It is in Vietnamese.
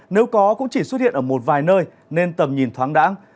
nếu có cũng chỉ xuất hiện ở một vài nơi nên tầm nhìn thoáng đáng